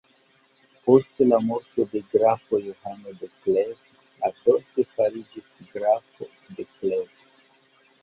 Post la morto de Grafo Johano de Kleve Adolfo fariĝis grafo de Kleve.